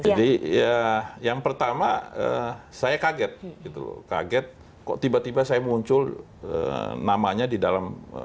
jadi yang pertama saya kaget kaget kok tiba tiba saya muncul namanya di dalam